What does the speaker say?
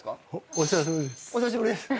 お久しぶりです。